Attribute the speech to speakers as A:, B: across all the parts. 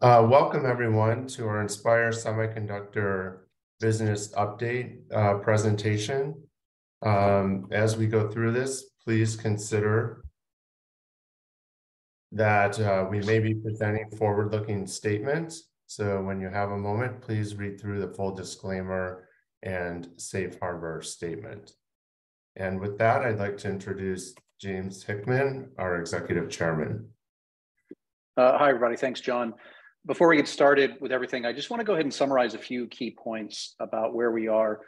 A: Welcome everyone to of our Inspire Semiconductor business update presentation. As we go through this, please consider that we may be presenting forward-looking statements, so when you have a moment, please read through the full disclaimer and safe harbor statement. With that, I'd like to introduce James Hickman, our Executive Chairman.
B: Hi everybody. Thanks John. Before we get started with everything, I just wanna go ahead and summarize a few key points about where we are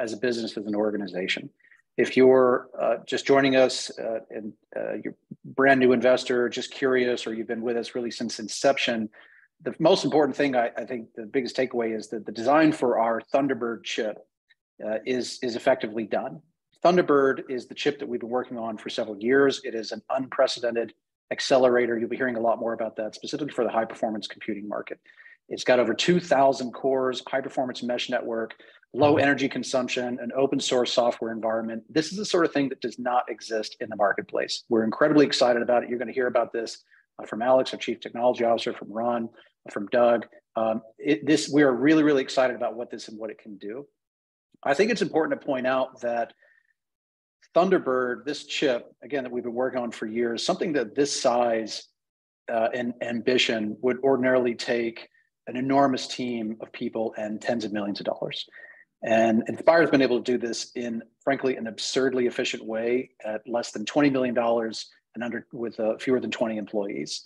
B: as a business, as an organization. If you're just joining us, and you're a brand-new investor, just curious, or you've been with us really since inception, the most important thing, I think the biggest takeaway is that the design for our Thunderbird chip is effectively done. Thunderbird is the chip that we've been working on for several years. It is an unprecedented accelerator, you'll be hearing a lot more about that, specifically for the high-performance computing market. It's got over 2,000 cores, high-performance mesh network, low energy consumption, an open-source software environment. This is the sort of thing that does not exist in the marketplace. We're incredibly excited about it. You're gonna hear about this from Alex, our Chief Technology Officer, from Ron, from Doug. We are really, really excited about what this and what it can do. I think it's important to point out that Thunderbird, this chip, again, that we've been working on for years, something that this size and ambition would ordinarily take an enormous team of people and tens of millions of dollars. Inspire's been able to do this in, frankly, an absurdly efficient way at less than $20 million and with fewer than 20 employees.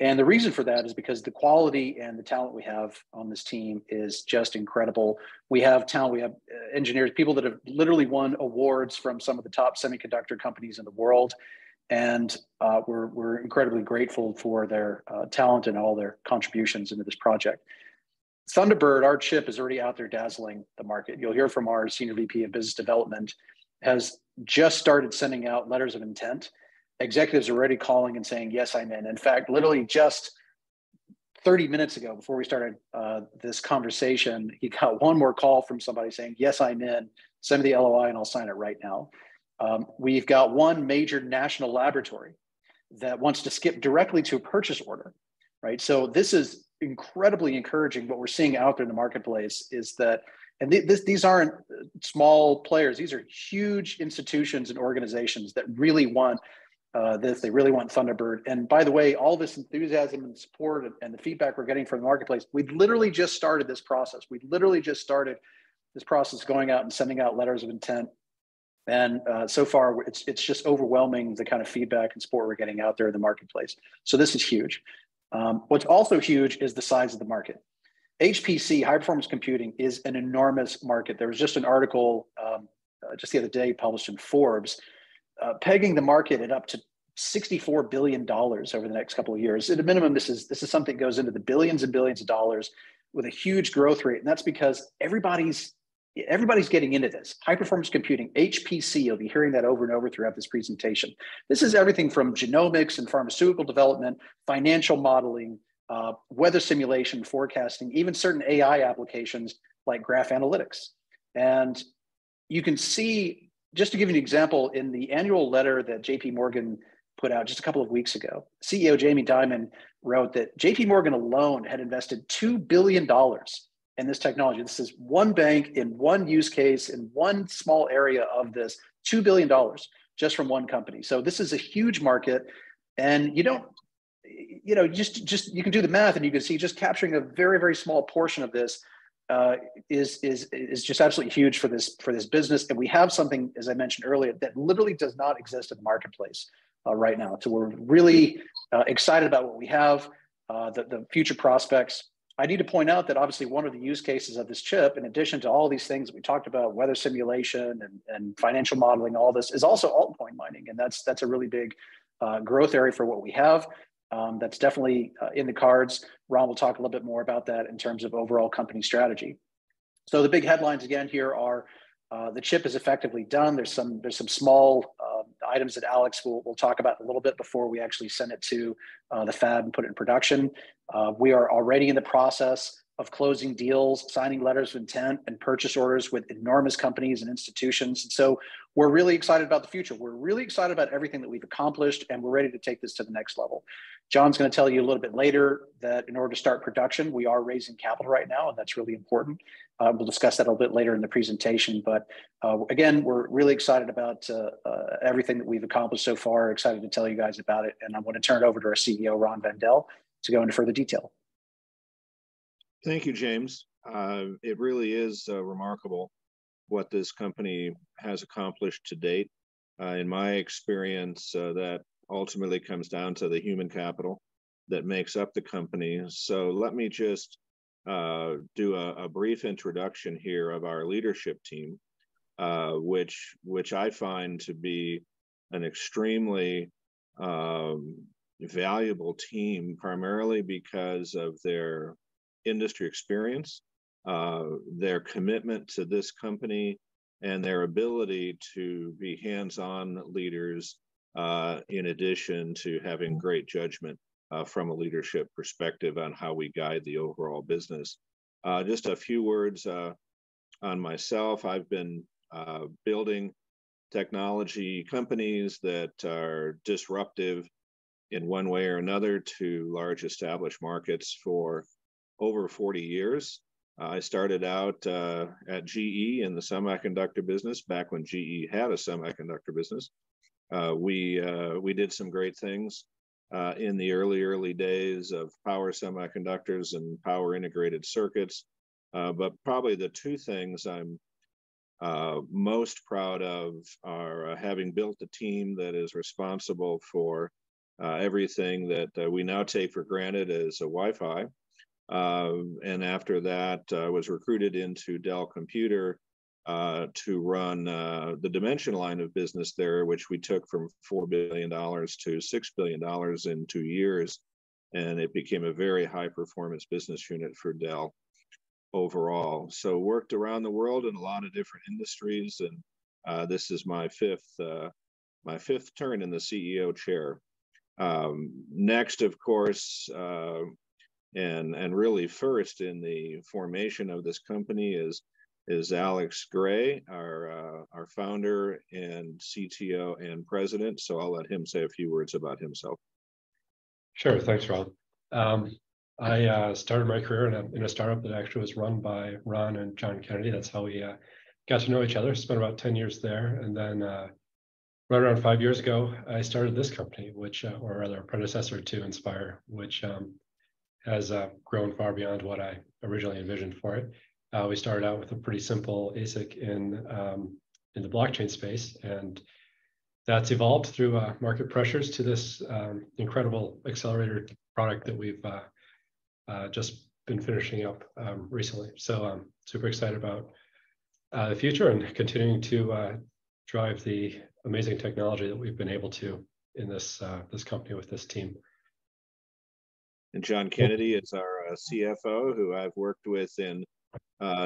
B: The reason for that is because the quality and the talent we have on this team is just incredible. We have talent, we have engineers, people that have literally won awards from some of the top semiconductor companies in the world, and we're incredibly grateful for their talent and all their contributions into this project. Thunderbird, our chip, is already out there dazzling the market. You'll hear from our Senior VP of Business Development, has just started sending out letters of intent. Executives are already calling and saying, "Yes, I'm in." In fact, literally just 30 minutes ago, before we started this conversation, he got one more call from somebody saying, "Yes, I'm in. Send me the LOI and I'll sign it right now." We've got one major national laboratory that wants to skip directly to a purchase order, right? This is incredibly encouraging. What we're seeing out there in the marketplace is that. These aren't small players, these are huge institutions and organizations that really want this, they really want Thunderbird. By the way, all this enthusiasm and support and the feedback we're getting from the marketplace, we've literally just started this process. We've literally just started this process going out and sending out letters of intent and so far, it's just overwhelming, the kind of feedback and support we're getting out there in the marketplace. This is huge. What's also huge is the size of the market. HPC, High-Performance Computing, is an enormous market. There was just an article just the other day published in Forbes, pegging the market at up to $64 billion over the next couple of years. At a minimum, this is something that goes into the billions and billions of dollars with a huge growth rate. That's because everybody's getting into this. High-Performance Computing, HPC, you'll be hearing that over and over throughout this presentation. This is everything from genomics and pharmaceutical development, financial modeling, weather simulation, forecasting, even certain AI applications like graph analytics. You can see, just to give you an example, in the annual letter that JP Morgan put out just a couple of weeks ago, CEO Jamie Dimon wrote that JP Morgan alone had invested $2 billion in this technology. This is one bank in one use case in one small area of this, $2 billion just from one company. This is a huge market, and you don't, you know, you can do the math and you can see just capturing a very, very small portion of this is just absolutely huge for this, for this business. We have something, as I mentioned earlier, that literally does not exist in the marketplace right now. We're really excited about what we have, the future prospects. I need to point out that obviously one of the use cases of this chip, in addition to all these things that we talked about, weather simulation and financial modeling, all this, is also altcoin mining, and that's a really big growth area for what we have. That's definitely in the cards. Ron will talk a little bit more about that in terms of overall company strategy. The big headlines again here are, the chip is effectively done. There's some small items that Alex will talk about a little bit before we actually send it to the fab and put it in production. We are already in the process of closing deals, signing letters of intent and purchase orders with enormous companies and institutions. We're really excited about the future. We're really excited about everything that we've accomplished, and we're ready to take this to the next level. John's gonna tell you a little bit later that in order to start production, we are raising capital right now, and that's really important. We'll discuss that a bit later in the presentation. Again, we're really excited about everything that we've accomplished so far, excited to tell you guys about it, and I'm gonna turn it over to our CEO, Ron Van Dell, to go into further detail.
C: Thank you, James. It really is remarkable what this company has accomplished to date. In my experience, that ultimately comes down to the human capital that makes up the company. Let me just do a brief introduction here of our leadership team, which I find to be an extremely valuable team, primarily because of their industry experience, their commitment to this company, and their ability to be hands-on leaders, in addition to having great judgment, from a leadership perspective on how we guide the overall business. Just a few words. On myself, I've been building technology companies that are disruptive in one way or another to large established markets for over 40 years. I started out at GE in the semiconductor business back when GE had a semiconductor business. We did some great things in the early days of power semiconductors and power integrated circuits. But probably the two things I'm most proud of are having built a team that is responsible for everything that we now take for granted as Wi-Fi. And after that, I was recruited into Dell Computer to run the Dimension line of business there, which we took from $4 billion-$6 billion in two years, and it became a very high-performance business unit for Dell overall. Worked around the world in a lot of different industries, and this is my fifth turn in the CEO chair. Next, of course, and really first in the formation of this company is Alex Gray, our Founder and CTO and President. I'll let him say a few words about himself.
D: Sure. Thanks, Ron. I started my career in a startup that actually was run by Ron and John Kennedy. That's how we got to know each other. Spent about 10 years there. Right around five years ago, I started this company, which or rather predecessor to Inspire, has grown far beyond what I originally envisioned for it. We started out with a pretty simple ASIC in the blockchain space, and that's evolved through market pressures to this incredible accelerator product that we've just been finishing up recently. I'm super excited about the future and continuing to drive the amazing technology that we've been able to in this company with this team.
C: John Kennedy is our CFO, who I've worked with in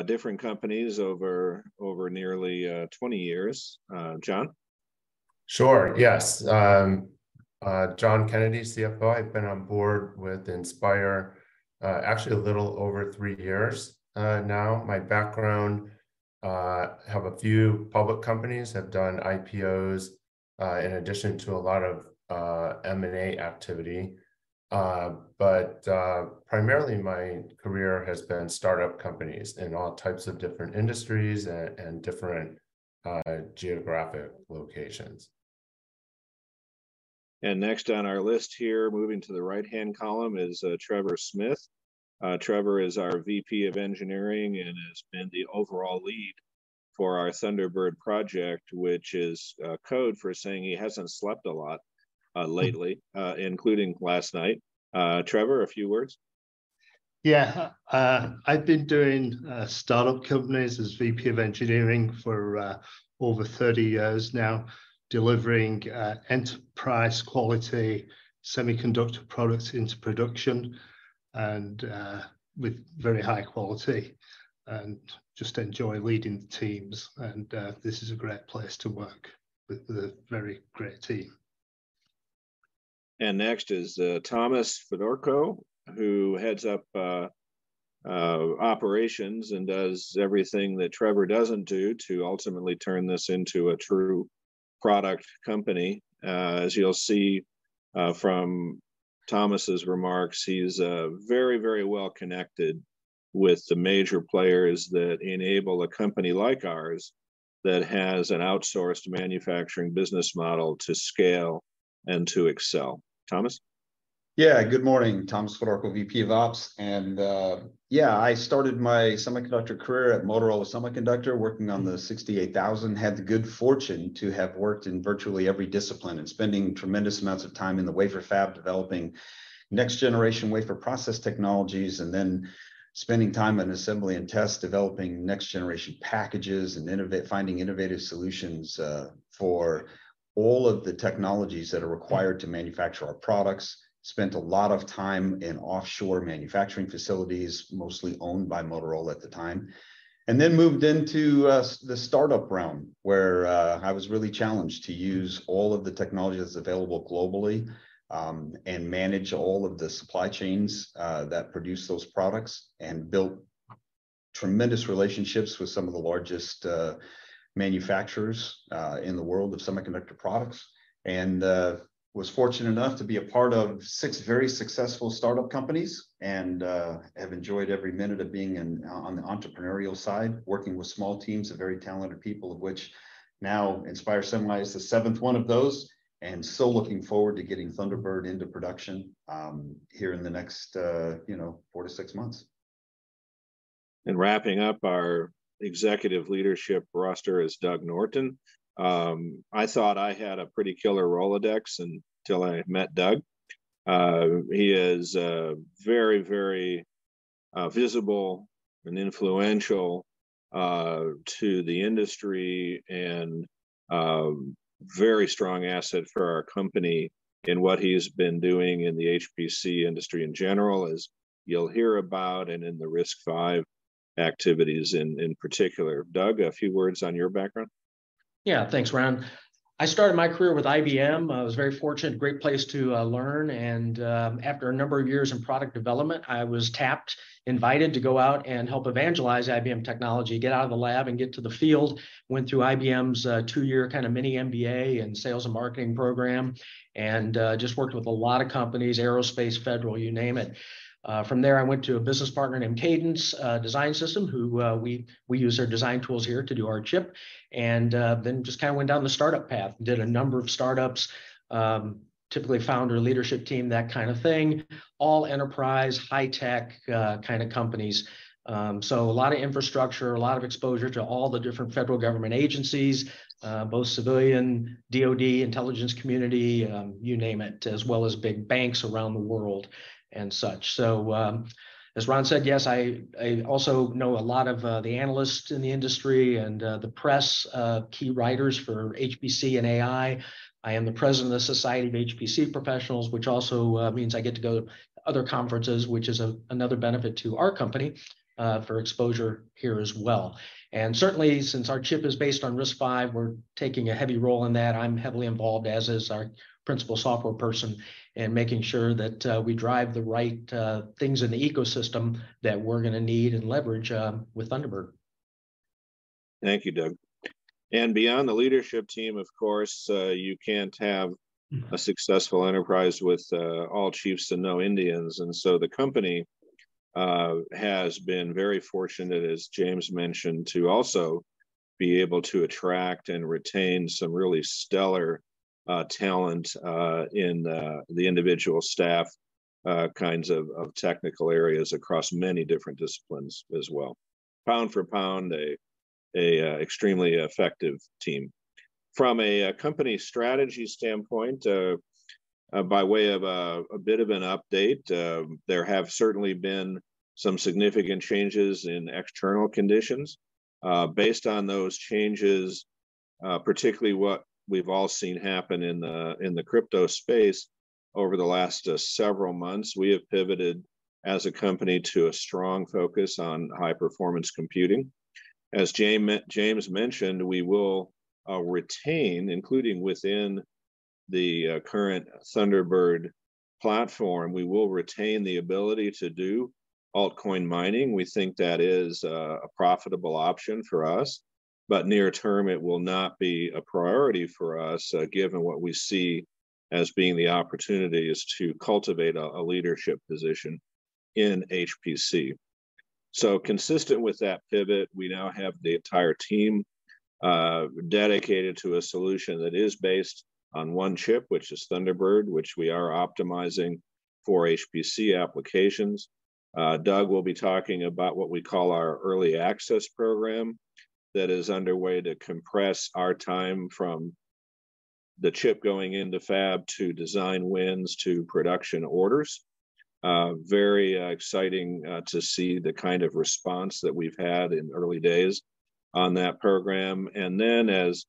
C: different companies over nearly 20 years. John?
A: Sure. Yes. John Kennedy, CFO. I've been on board with Inspire, actually a little over three years now. My background, have a few public companies, have done IPOs, in addition to a lot of M&A activity. Primarily my career has been startup companies in all types of different industries and different geographic locations.
C: Next on our list here, moving to the right-hand column, is Trevor Smith. Trevor is our VP of Engineering and has been the overall lead for our Thunderbird project, which is code for saying he hasn't slept a lot lately, including last night. Trevor, a few words?
E: Yeah. I've been doing startup companies as VP of engineering for over 30 years now, delivering enterprise quality semiconductor products into production and with very high quality, and just enjoy leading the teams. This is a great place to work with a very great team.
C: Next is Thomas Fedorko, who heads up operations and does everything that Trevor doesn't do to ultimately turn this into a true product company. As you'll see, from Thomas's remarks, he's very, very well connected with the major players that enable a company like ours that has an outsourced manufacturing business model to scale and to excel. Thomas?
F: Yeah. Good morning. Thomas Fedorko, VP of Ops. Yeah, I started my semiconductor career at Motorola Semiconductor, working on the 68000. Had the good fortune to have worked in virtually every discipline and spending tremendous amounts of time in the wafer fab, developing next-generation wafer process technologies and then spending time in assembly and test, developing next-generation packages and finding innovative solutions for all of the technologies that are required to manufacture our products. Spent a lot of time in offshore manufacturing facilities, mostly owned by Motorola at the time. Then moved into the startup realm, where I was really challenged to use all of the technology that's available globally, and manage all of the supply chains that produce those products and built tremendous relationships with some of the largest manufacturers in the world of semiconductor products. was fortunate enough to be a part of six very successful startup companies and have enjoyed every minute of being on the entrepreneurial side, working with small teams of very talented people, of which now Inspire Semiconductor is the seventh one of those, looking forward to getting Thunderbird into production, here in the next, you know, four-six months.
C: Wrapping up our executive leadership roster is Doug Norton. I thought I had a pretty killer Rolodex until I met Doug. He is very, very visible and influential to the industry and very strong asset for our company. What he has been doing in the HPC industry in general is you'll hear about and in the RISC-V activities in particular. Doug, a few words on your background?
G: Yeah. Thanks, Ron. I started my career with IBM. I was very fortunate, great place to learn and after a number of years in product development, I was tapped, invited to go out and help evangelize IBM technology, get out of the lab and get to the field. Went through IBM's two-year kind of mini MBA in sales and marketing program, and just worked with a lot of companies, aerospace, federal, you name it. From there, I went to a business partner named Cadence Design Systems, who we use their design tools here to do our chip, and then just kind of went down the startup path and did a number of startups, typically founder, leadership team, that kind of thing, all enterprise, high tech, kind of companies. A lot of infrastructure, a lot of exposure to all the different federal government agencies, both civilian, DOD, intelligence community, you name it, as well as big banks around the world and such. As Ron said, yes, I also know a lot of the analysts in the industry and the press, key writers for HPC and AI. I am the president of the Society of HPC Professionals, which also means I get to go to other conferences, which is another benefit to our company for exposure here as well. Certainly, since our chip is based on RISC-V, we're taking a heavy role in that. I'm heavily involved, as is our principal software person, in making sure that we drive the right things in the ecosystem that we're gonna need and leverage with Thunderbird.
C: Thank you, Doug. Beyond the leadership team, of course.
G: Mm.
C: A successful enterprise with all chiefs and no Indians. The company has been very fortunate, as James mentioned, to also be able to attract and retain some really stellar talent in the individual staff kinds of technical areas across many different disciplines as well. Pound for pound, an extremely effective team. From a company strategy standpoint, by way of a bit of an update, there have certainly been some significant changes in external conditions. Based on those changes, particularly what we've all seen happen in the crypto space over the last several months, we have pivoted as a company to a strong focus on high-performance computing. As James mentioned, we will retain, including within the current Thunderbird platform, we will retain the ability to do Altcoin Mining. We think that is a profitable option for us. Near term, it will not be a priority for us, given what we see as being the opportunity is to cultivate a leadership position in HPC. Consistent with that pivot, we now have the entire team dedicated to a solution that is based on one chip, which is Thunderbird, which we are optimizing for HPC applications. Doug will be talking about what we call our early access program that is underway to compress our time from the chip going into fab to design wins to production orders. Very exciting to see the kind of response that we've had in early days on that program. As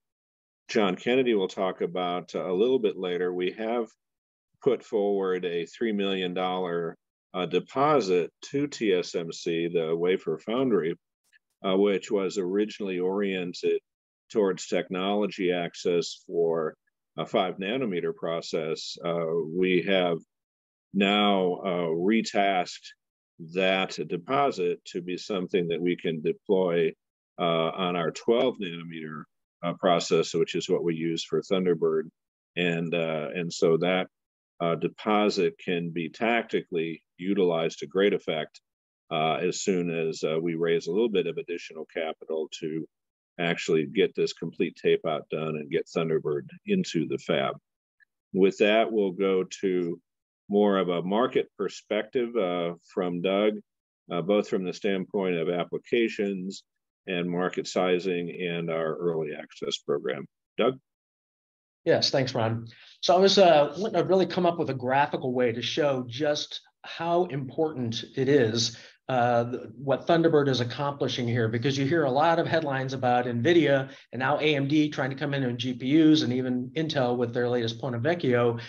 C: John Kennedy will talk about a little bit later, we have put forward a $3 million deposit to TSMC, the wafer foundry, which was originally oriented towards technology access for a five nanometer process. We have now retasked that deposit to be something that we can deploy on our 12 nanometer process, which is what we use for Thunderbird. That deposit can be tactically utilized to great effect as soon as we raise a little bit of additional capital to actually get this complete tape-out done and get Thunderbird into the fab. With that, we'll go to more of a market perspective from Doug, both from the standpoint of applications and market sizing and our early access program. Doug?
G: Yes. Thanks, Ron. I was wanting to really come up with a graphical way to show just how important it is, what Thunderbird is accomplishing here, because you hear a lot of headlines about NVIDIA and now AMD trying to come in on GPUs and even Intel with their latest Ponte Vecchio.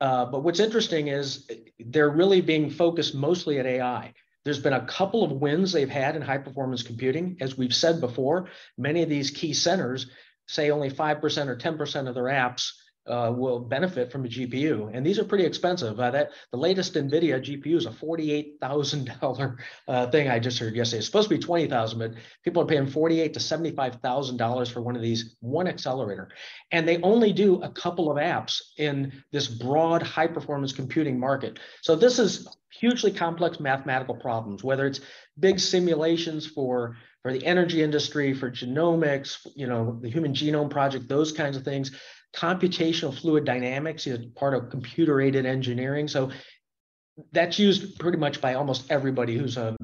G: What's interesting is, they're really being focused mostly at AI. There's been a couple of wins they've had in High-Performance Computing. As we've said before, many of these key centers say only 5% or 10% of their apps, will benefit from a GPU, and these are pretty expensive. The latest NVIDIA GPU is a $48,000, thing I just heard yesterday. It's supposed to be $20,000, but people are paying $48,000-$75,000 for one of these, one accelerator. They only do a couple of apps in this broad high-performance computing market. This is hugely complex mathematical problems, whether it's big simulations for the energy industry, for genomics, you know, the Human Genome Project, those kinds of things. Computational Fluid Dynamics is part of computer-aided engineering, so that's used pretty much by almost everybody who's, you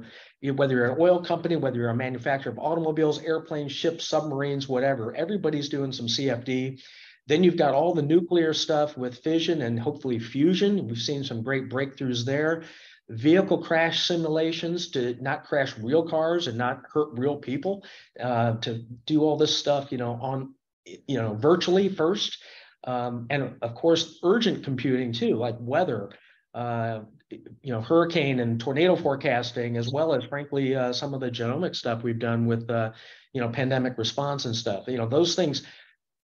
G: know, whether you're an oil company, whether you're a manufacturer of automobiles, airplanes, ships, submarines, whatever. Everybody's doing some CFD. You've got all the nuclear stuff with fission and hopefully fusion. We've seen some great breakthroughs there. Vehicle crash simulations to not crash real cars and not hurt real people, to do all this stuff, you know, on, you know, virtually first. Of course, urgent computing too, like weather, you know, hurricane and tornado forecasting, as well as, frankly, some of the genomic stuff we've done with, you know, pandemic response and stuff. You know,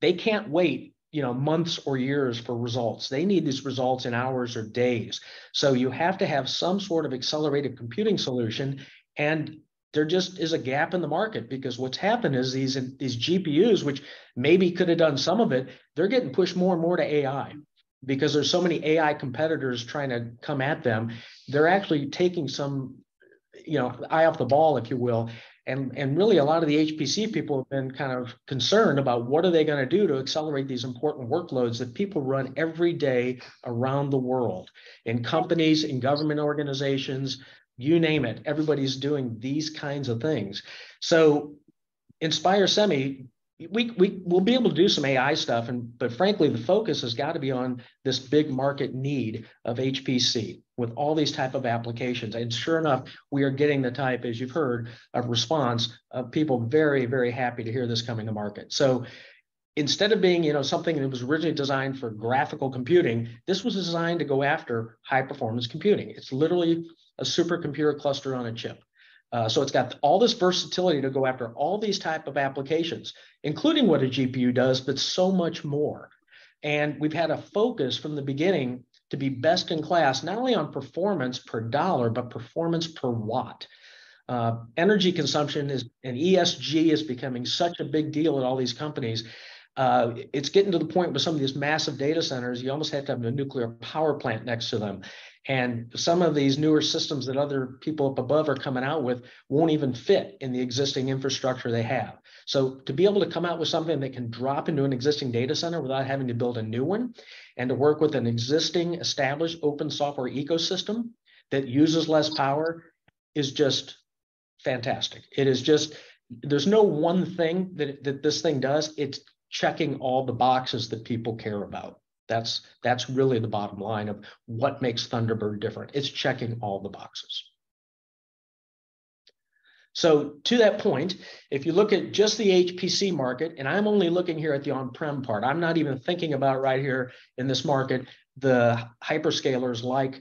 G: they can't wait, you know, months or years for results. They need these results in hours or days. You have to have some sort of accelerated computing solution, and there just is a gap in the market because what's happened is these GPUs, which maybe could have done some of it, they're getting pushed more and more to AI because there's so many AI competitors trying to come at them. They're actually taking some, you know, eye off the ball, if you will. Really a lot of the HPC people have been kind of concerned about what are they gonna do to accelerate these important workloads that people run every day around the world in companies, in government organizations, you name it. Everybody's doing these kinds of things. InspireSemi, we'll be able to do some AI stuff, but frankly, the focus has got to be on this big market need of HPC with all these types of applications. Sure enough, we are getting the type, as you've heard, of response of people very, very happy to hear this coming to market. Instead of being, you know, something that was originally designed for graphical computing, this was designed to go after high-performance computing. It's literally a supercomputer cluster on a chip. It's got all this versatility to go after all these type of applications, including what a GPU does, but so much more. We've had a focus from the beginning to be best in class, not only on performance per dollar, but performance per watt. Energy consumption is, and ESG is becoming such a big deal at all these companies. It's getting to the point with some of these massive data centers, you almost have to have a nuclear power plant next to them. Some of these newer systems that other people up above are coming out with won't even fit in the existing infrastructure they have. To be able to come out with something that can drop into an existing data center without having to build a new one, and to work with an existing established open software ecosystem that uses less power is just fantastic. There's no one thing that this thing does. It's checking all the boxes that people care about. That's really the bottom line of what makes Thunderbird different. It's checking all the boxes. To that point, if you look at just the HPC market, and I'm only looking here at the on-prem part. I'm not even thinking about right here in this market, the Hyperscalers like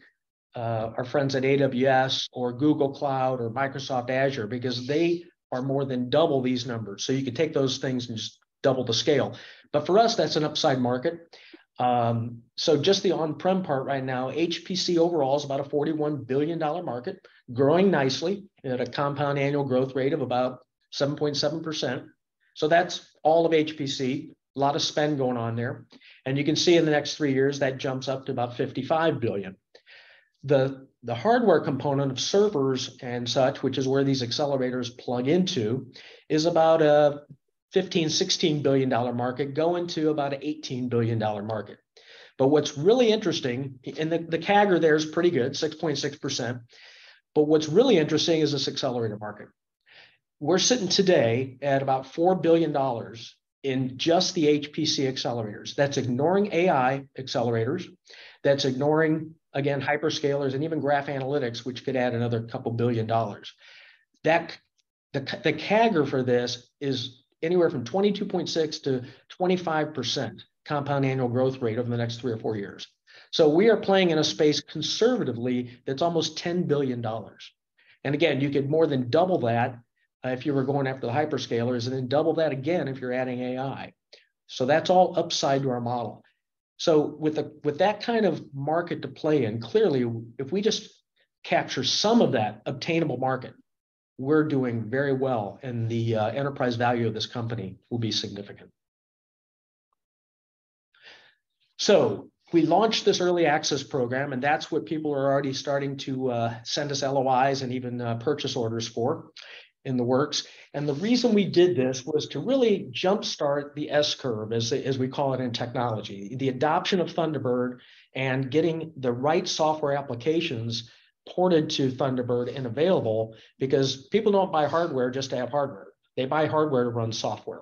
G: our friends at AWS or Google Cloud or Microsoft Azure, because they are more than double these numbers. You can take those things and just double the scale. For us, that's an upside market. Just the on-prem part right now, HPC overall is about a $41 billion market, growing nicely at a compound annual growth rate of about 7.7%. That's all of HPC, a lot of spend going on there. You can see in the next three years, that jumps up to about $55 billion. The hardware component of servers and such, which is where these accelerators plug into, is about a $15 billion-$16 billion market going to about $18 billion market. What's really interesting, and the CAGR there is pretty good, 6.6%, what's really interesting is this accelerator market. We're sitting today at about $4 billion in just the HPC accelerators. That's ignoring AI accelerators. That's ignoring, again, Hyperscalers and even graph analytics, which could add another couple billion dollars. The CAGR for this is anywhere from 22.6%-25% compound annual growth rate over the next three or four years. We are playing in a space conservatively that's almost $10 billion. Again, you could more than double that if you were going after the Hyperscalers, and then double that again if you're adding AI. That's all upside to our model. With that kind of market to play in, clearly, if we just capture some of that obtainable market, we're doing very well, and the enterprise value of this company will be significant. We launched this early access program, and that's what people are already starting to send us LOIs and even purchase orders for in the works. The reason we did this was to really jumpstart the S-curve, as we call it in technology, the adoption of Thunderbird and getting the right software applications ported to Thunderbird and available because people don't buy hardware just to have hardware. They buy hardware to run software.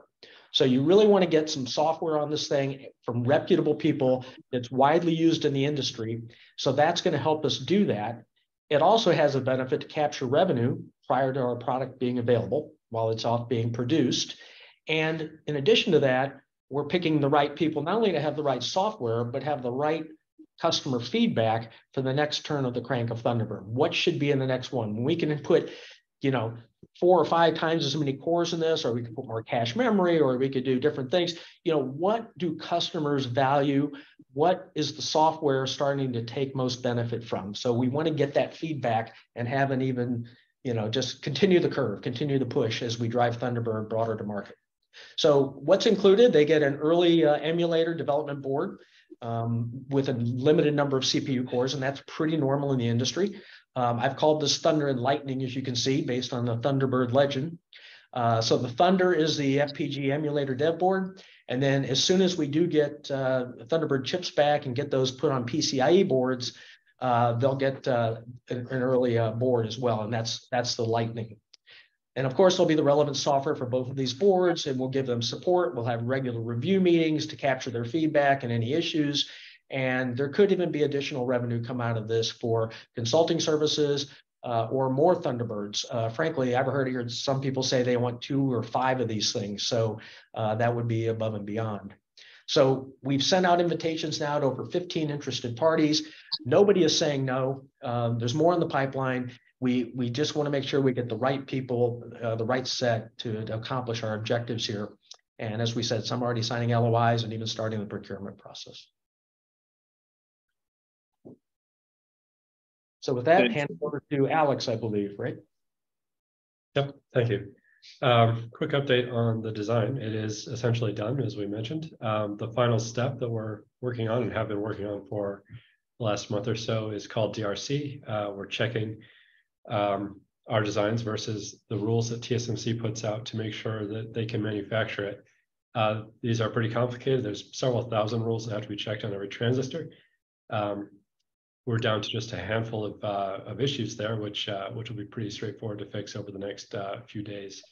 G: You really want to get some software on this thing from reputable people that's widely used in the industry. That's gonna help us do that. It also has a benefit to capture revenue prior to our product being available while it's off being produced. In addition to that, we're picking the right people not only to have the right software, but have the right customer feedback for the next turn of the crank of Thunderbird. What should be in the next one? We can put, you know, 4x or 5x as many cores in this, or we could put more cache memory, or we could do different things. You know, what do customers value? What is the software starting to take most benefit from? We want to get that feedback and have an even, you know, just continue the curve, continue the push as we drive Thunderbird broader to market. What's included? They get an early emulator development board with a limited number of CPU cores, and that's pretty normal in the industry. I've called this Thunder and Lightning, as you can see, based on the Thunderbird legend. The Thunder is the FPGA emulator dev board, and then as soon as we do get Thunderbird chips back and get those put on PCIe boards, they'll get an early board as well, and that's the Lightning. Of course, there'll be the relevant software for both of these boards, and we'll give them support. We'll have regular review meetings to capture their feedback and any issues. There could even be additional revenue come out of this for consulting services, or more Thunderbirds. Frankly, I've heard some people say they want two or five of these things. That would be above and beyond. We've sent out invitations now to over 15 interested parties. Nobody is saying no. There's more in the pipeline. We just wanna make sure we get the right people, the right set to accomplish our objectives here. As we said, some are already signing LOIs and even starting the procurement process. With that. Thanks. Hand over to Alex, I believe. Right?
D: Yep. Thank you. Quick update on the design. It is essentially done, as we mentioned. The final step that we're working on and have been working on for the last month or so, is called DRC. We're checking our designs versus the rules that TSMC puts out to make sure that they can manufacture it. These are pretty complicated. There's several thousand rules that have to be checked on every transistor. We're down to just a handful of issues there, which will be pretty straightforward to fix over the next few days.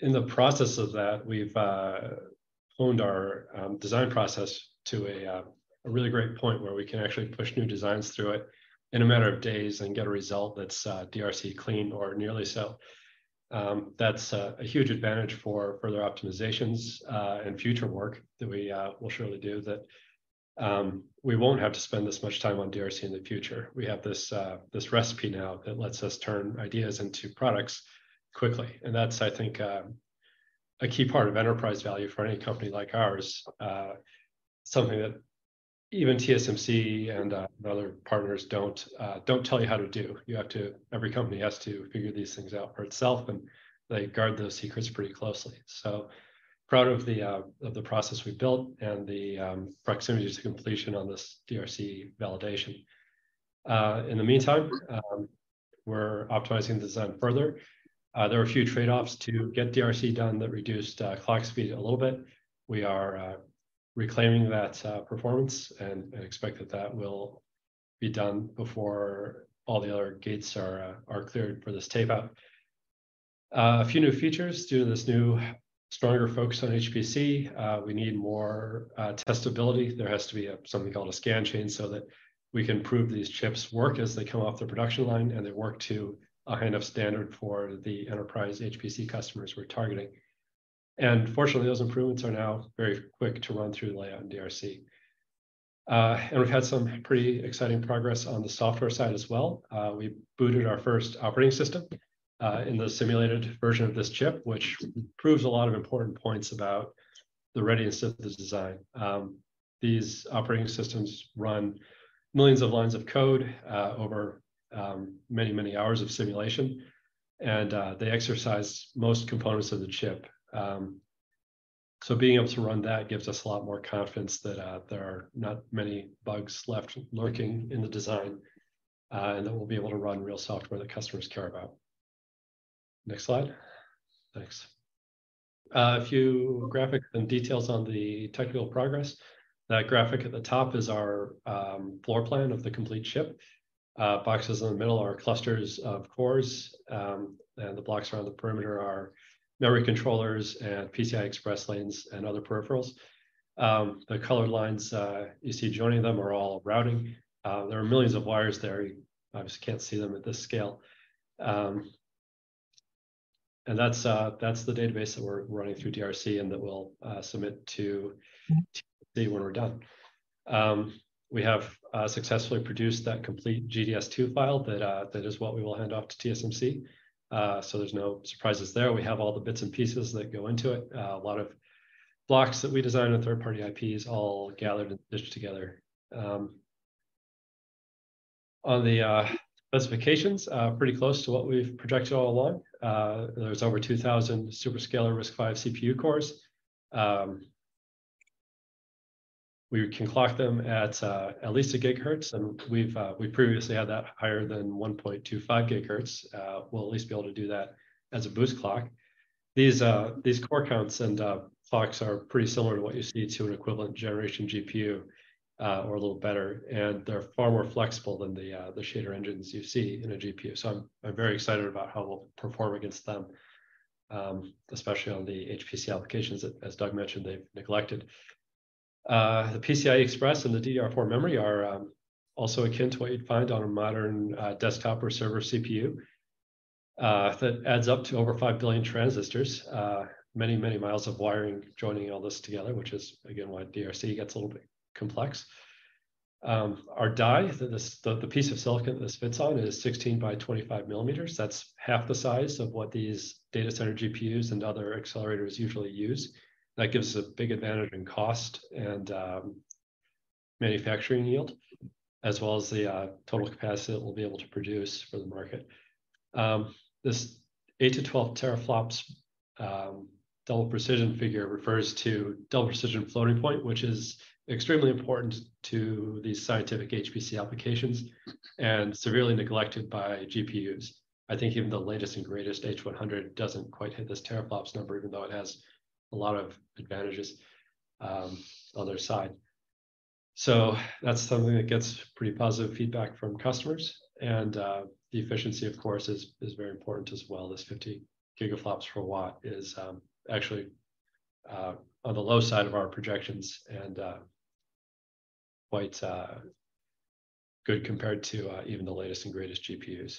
D: In the process of that, we've honed our design process to a really great point, where we can actually push new designs through it in a matter of days and get a result that's DRC clean or nearly so. That's a huge advantage for further optimizations, and future work that we will surely do that, we won't have to spend as much time on DRC in the future. We have this recipe now that lets us turn ideas into products quickly, and that's, I think, a key part of enterprise value for any company like ours. Something that even TSMC and other partners don't tell you how to do. Every company has to figure these things out for itself, and they guard those secrets pretty closely. Proud of the process we've built and the proximity to completion on this DRC validation. In the meantime, we're optimizing the design further. There are a few trade-offs to get DRC done that reduced clock speed a little bit. We are reclaiming that performance and expect that that will be done before all the other gates are cleared for this tape out. A few new features. Due to this new stronger focus on HPC, we need more testability. There has to be a something called a scan chain so that we can prove these chips work as they come off the production line, and they work to a kind of standard for the enterprise HPC customers we're targeting. Fortunately, those improvements are now very quick to run through layout in DRC. We've had some pretty exciting progress on the software side as well. We booted our first operating system in the simulated version of this chip, which proves a lot of important points about the readiness of this design. These operating systems run millions of lines of code over many, many hours of simulation, and they exercise most components of the chip. Being able to run that gives us a lot more confidence that there are not many bugs left lurking in the design, and that we'll be able to run real software that customers care about. Next slide. Thanks. A few graphics and details on the technical progress. That graphic at the top is our floor plan of the complete chip. Boxes in the middle are clusters of cores, and the blocks around the perimeter are memory controllers and PCI Express Lanes and other Peripherals. The colored lines, you see joining them are all routing. There are millions of wires there. You obviously can't see them at this scale. That's, that's the database that we're running through DRC and that we'll submit to TSMC when we're done. We have successfully produced that complete GDS II file that is what we will hand off to TSMC. There's no surprises there. We have all the bits and pieces that go into it. A lot of blocks that we designed, and third-party IPs all gathered and stitched together. On the specifications, pretty close to what we've projected all along. There's over 2,000 superscalar RISC-V CPU cores. We can clock them at, at least a gigahertz, and we previously had that higher than 1.25 GHz. We'll at least be able to do that as a boost clock. These core counts and clocks are pretty similar to what you see to an equivalent generation GPU or a little better, and they're far more flexible than the shader engines you see in a GPU. I'm very excited about how we'll perform against them, especially on the HPC applications that, as Doug mentioned, they've neglected. The PCI Express and the DDR4 memory are also akin to what you'd find on a modern desktop or server CPU. That adds up to over 5 billion transistors. Many, many miles of wiring joining all this together, which is, again, why DRC gets a little bit complex. Our die, the piece of silicon this fits on, is 16 mm x 25 mm. That's half the size of what these data center GPUs and other accelerators usually use. That gives us a big advantage in cost and manufacturing yield, as well as the total capacity that we'll be able to produce for the market. These 8-12 TFLOPS double precision figure refers to double precision floating point, which is extremely important to these scientific HPC applications and severely neglected by GPUs. I think even the latest and greatest H100 doesn't quite hit this teraflops number, even though it has a lot of advantages on their side. That's something that gets pretty positive feedback from customers. The efficiency, of course, is very important as well. These 50 GFLOPS for watt is actually on the low side of our projections and quite good compared to even the latest and greatest GPUs.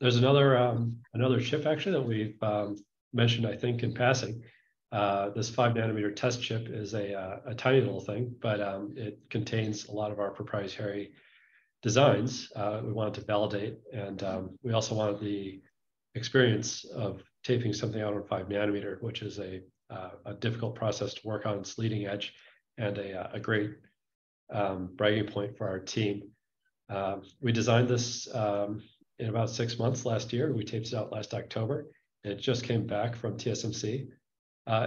D: There's another chip actually that we've mentioned, I think, in passing. This 5-nm test chip is a tiny little thing, but it contains a lot of our proprietary designs we wanted to validate. We also wanted the experience of taping something out on 5-nm, which is a difficult process to work on. It's leading-edge and a great bragging point for our team. We designed this in about six months last year. We taped this out last October. It just came back from TSMC.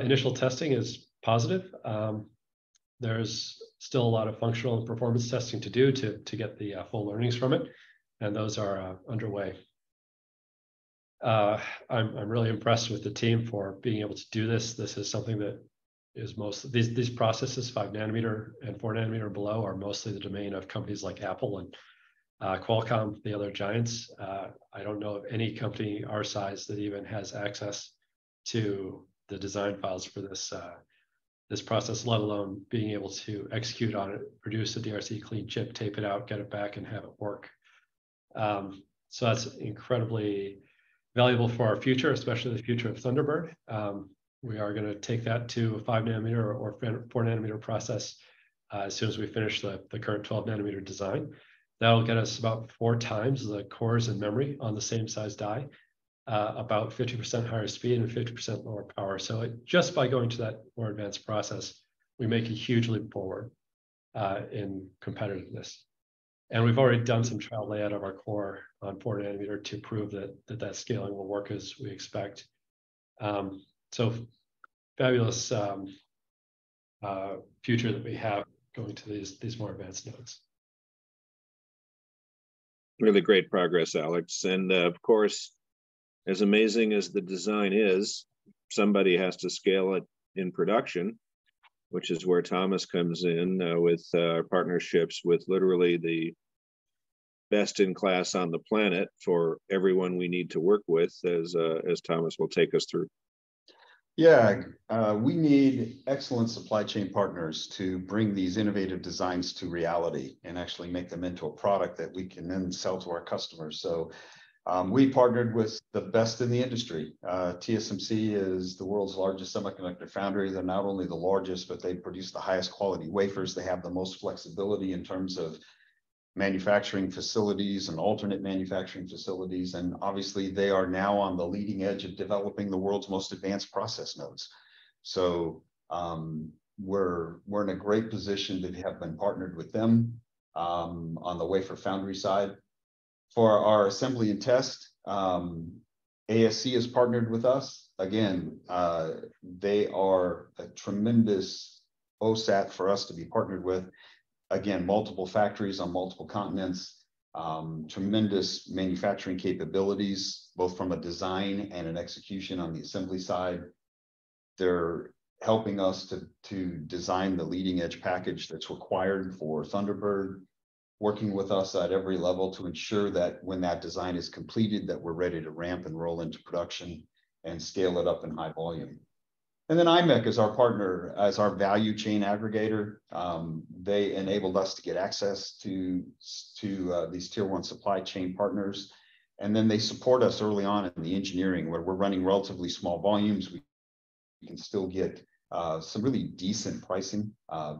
D: Initial testing is positive. there's still a lot of functional and performance testing to do to get the full learnings from it, and those are underway. I'm really impressed with the team for being able to do this. This is something that is These, these processes, 5-nm and 4-nm below, are mostly the domain of companies like Apple and Qualcomm, the other giants. I don't know of any company our size that even has access to the design files for this process, let alone being able to execute on it, produce a DRC-clean chip, tape it out, get it back, and have it work. That's incredibly valuable for our future, especially the future of Thunderbird. we are gonna take that to a 5-nm or 4-nm process, as soon as we finish the current 12-nm design. That'll get us about 4x the cores and memory on the same size die, about 50% higher speed and 50% lower power. Just by going to that more advanced process, we make a huge leap forward in competitiveness. We've already done some trial layout of our core on 4-nm to prove that that scaling will work as we expect. Fabulous future that we have going to these more advanced nodes.
C: Really great progress, Alex. Of course, as amazing as the design is, somebody has to scale it in production, which is where Thomas comes in, with partnerships with literally the best in class on the planet for everyone we need to work with, as Thomas will take us through.
F: We need excellent supply chain partners to bring these innovative designs to reality and actually make them into a product that we can then sell to our customers. We partnered with the best in the industry. TSMC is the world's largest semiconductor foundry. They're not only the largest, but they produce the highest quality wafers. They have the most flexibility in terms of manufacturing facilities and alternate manufacturing facilities. Obviously, they are now on the leading edge of developing the world's most advanced process nodes. We're in a great position to have been partnered with them on the wafer foundry side. For our assembly and test, ASC has partnered with us. Again, they are a tremendous OSAT for us to be partnered with. Again, multiple factories on multiple continents, tremendous manufacturing capabilities, both from a design and an execution on the assembly side. They're helping us to design the leading-edge package that's required for Thunderbird, working with us at every level to ensure that when that design is completed, that we're ready to ramp and roll into production and scale it up in high volume. IMEC is our partner as our value chain aggregator. They enabled us to get access to these tier one supply chain partners, and then they support us early on in the engineering, where we're running relatively small volumes. We can still get some really decent pricing,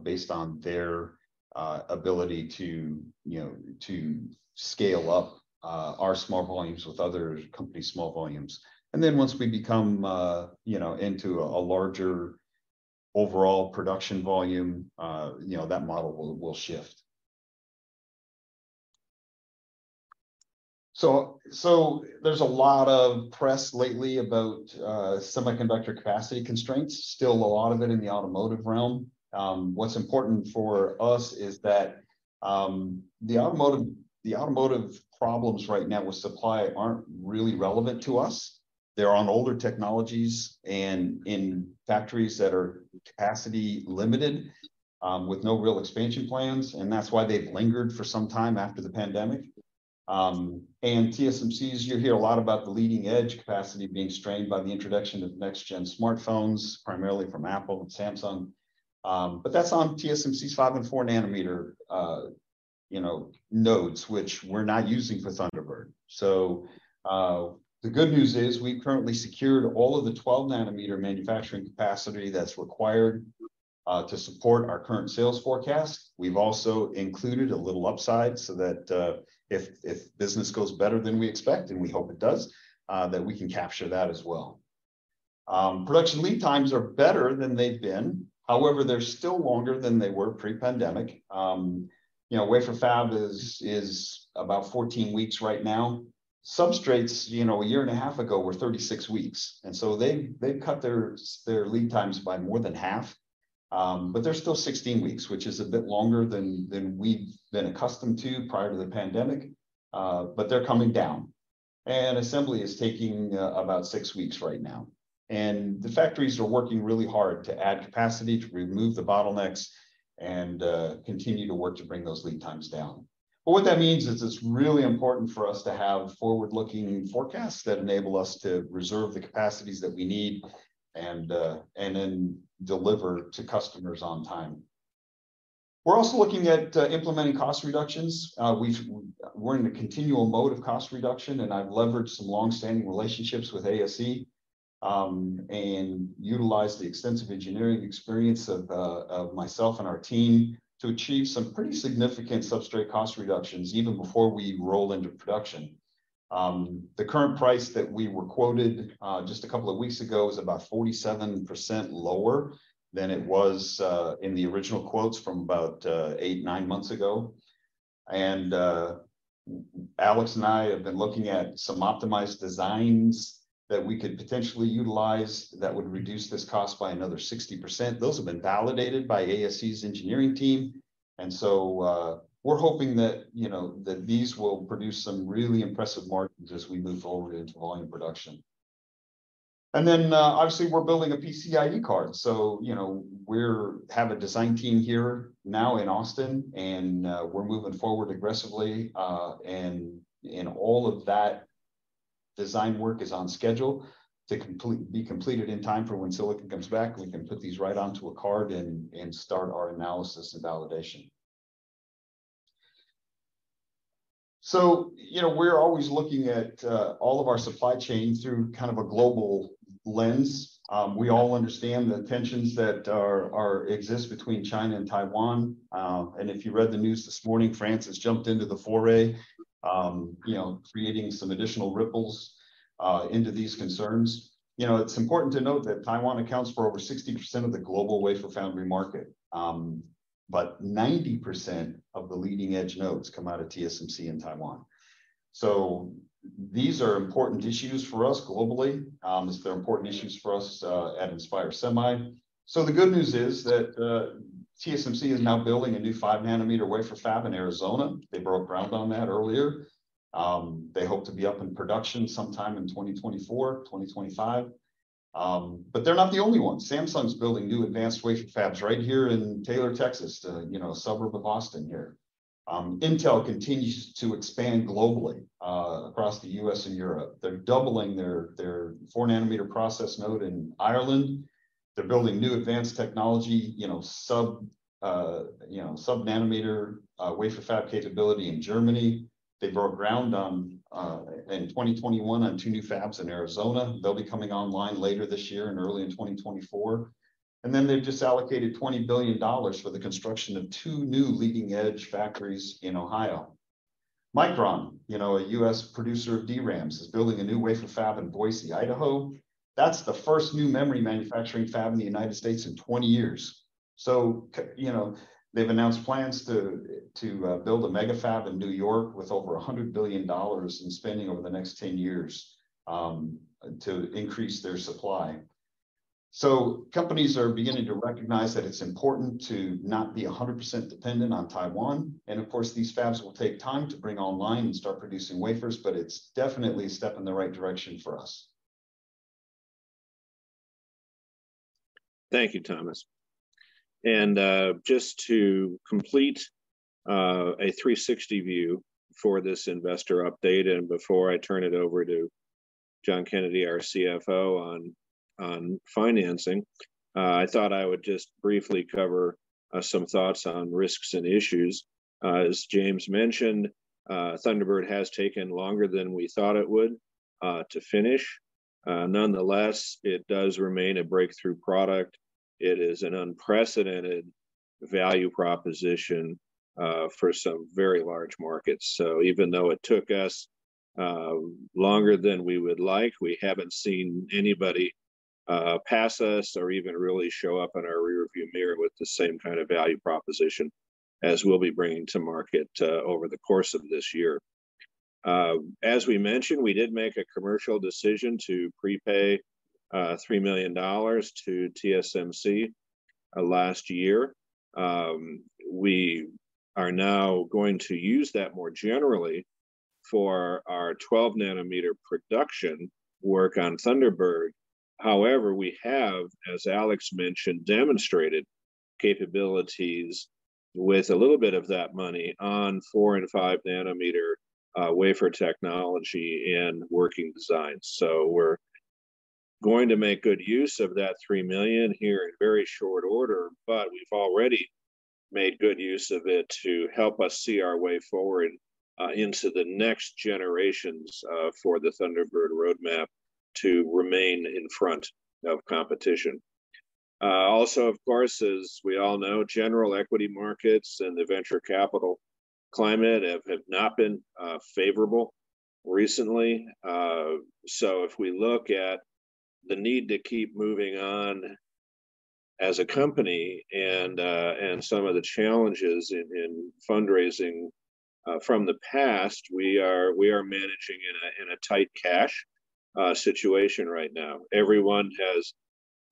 F: based on their ability to, you know, to scale up our small volumes with other companies' small volumes. Once we become, you know, into a larger overall production volume, you know, that model will shift. There's a lot of press lately about semiconductor capacity constraints, still a lot of it in the automotive realm. What's important for us is that the automotive problems right now with supply aren't really relevant to us. They're on older technologies and in factories that are capacity-limited, with no real expansion plans, that's why they've lingered for some time after the pandemic. TSMC's, you hear a lot about the leading-edge capacity being strained by the introduction of next-gen smartphones, primarily from Apple and Samsung. That's on TSMC's 5-nm and 4-nm, you know, nodes, which we're not using for Thunderbird. The good news is we've currently secured all of the 12-nm manufacturing capacity that's required to support our current sales forecast. We've also included a little upside so that if business goes better than we expect, and we hope it does, that we can capture that as well. Production lead times are better than they've been. However, they're still longer than they were pre-pandemic. You know, wafer fab is about 14 weeks right now. Substrates, you know, a year and a half ago were 36 weeks. They've cut their lead times by more than half. But they're still 16 weeks, which is a bit longer than we've been accustomed to prior to the pandemic. But they're coming down. Assembly is taking about six weeks right now. The factories are working really hard to add capacity, to remove the bottlenecks, and continue to work to bring those lead times down. What that means is it's really important for us to have forward-looking forecasts that enable us to reserve the capacities that we need and then deliver to customers on time. We're also looking at implementing cost reductions. We're in a continual mode of cost reduction, and I've leveraged some long-standing relationships with ASE and utilized the extensive engineering experience of myself and our team to achieve some pretty significant substrate cost reductions even before we roll into production. The current price that we were quoted just a couple of weeks ago is about 47% lower than it was in the original quotes from about eight, nine months ago. Alex and I have been looking at some optimized designs that we could potentially utilize that would reduce this cost by another 60%. Those have been validated by ASE's engineering team. We're hoping that, you know, that these will produce some really impressive margins as we move forward into volume production. Obviously, we're building a PCIe card. You know, we have a design team here now in Austin, and we're moving forward aggressively. And all of that design work is on schedule to be completed in time for when silicon comes back, and we can put these right onto a card and start our analysis and validation. You know, we're always looking at all of our supply chain through kind of a global lens. We all understand the tensions that exist between China and Taiwan. If you read the news this morning, France has jumped into the foray, you know, creating some additional ripples into these concerns. You know, it's important to note that Taiwan accounts for over 60% of the global wafer foundry market. 90% of the leading-edge nodes come out of TSMC in Taiwan. These are important issues for us globally. They're important issues for us at InspireSemi. The good news is that TSMC is now building a new 5-nm wafer fab in Arizona. They broke ground on that earlier. They hope to be up in production sometime in 2024, 2025. They're not the only one. Samsung's building new advanced wafer fabs right here in Taylor, Texas, a, you know, a suburb of Austin here. Intel continues to expand globally across the U.S. and Europe. They're doubling their 4-nm process node in Ireland. They're building new advanced technology, you know, sub-nanometer wafer fab capability in Germany. They broke ground on in 2021 on two new fabs in Arizona. They'll be coming online later this year and early in 2024. They've just allocated $20 billion for the construction of two new leading-edge factories in Ohio. Micron, you know, a U.S. producer of DRAMs, is building a new wafer fab in Boise, Idaho. That's the first new memory manufacturing fab in the United States in 20 years. You know, they've announced plans to build a mega fab in New York with over $100 billion in spending over the next 10 years to increase their supply. Companies are beginning to recognize that it's important to not be 100% dependent on Taiwan. Of course, these fabs will take time to bring online and start producing wafers, it's definitely a step in the right direction for us.
C: Thank you, Thomas. Just to complete a 360 view for this investor update, before I turn it over to John Kennedy, our CFO, on financing, I thought I would just briefly cover some thoughts on risks and issues. As James mentioned, Thunderbird has taken longer than we thought it would to finish. Nonetheless, it does remain a breakthrough product. It is an unprecedented value proposition for some very large markets. Even though it took us longer than we would like, we haven't seen anybody pass us or even really show up in our rearview mirror with the same kind of value proposition as we'll be bringing to market over the course of this year. As we mentioned, we did make a commercial decision to prepay $3 million to TSMC last year. We are now going to use that more generally for our 12-nm production work on Thunderbird. However, we have, as Alex Gray mentioned, demonstrated capabilities with a little bit of that money on 4-nm and 5-nm wafer technology and working designs. So we're going to make good use of that $3 million here in very short order. But we've already made good use of it to help us see our way forward into the next generations for the Thunderbird roadmap to remain in front of competition. Also, of course, as we all know, general equity markets and the venture capital climate have not been favorable recently. If we look at the need to keep moving on as a company and some of the challenges in fundraising from the past, we are managing in a tight cash situation right now. Everyone has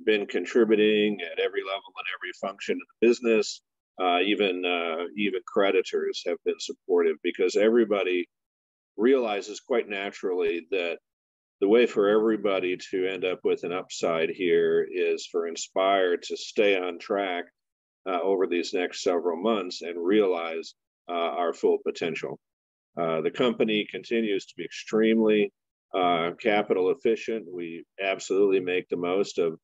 C: been contributing at every level and every function of the business. Even creditors have been supportive because everybody realizes quite naturally that the way for everybody to end up with an upside here is for Inspire to stay on track over these next several months and realize our full potential. The company continues to be extremely capital efficient. We absolutely make the most of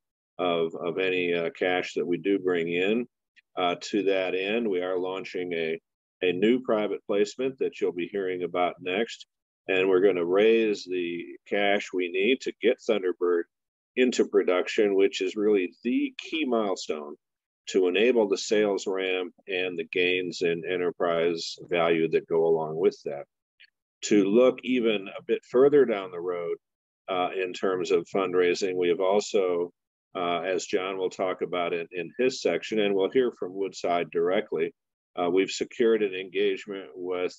C: any cash that we do bring in. To that end, we are launching a new private placement that you'll be hearing about next, and we're gonna raise the cash we need to get Thunderbird into production, which is really the key milestone to enable the sales ramp and the gains in enterprise value that go along with that. To look even a bit further down the road, in terms of fundraising, we have also, as John will talk about in his section, and we'll hear from Woodside directly, we've secured an engagement with